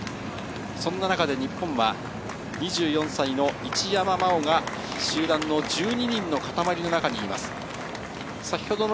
そんな中で日本は２４歳の一山麻緒が集団の１２人の固まりの中にいます。